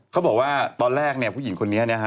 เข้าไปหลายครั้งแล้วนึง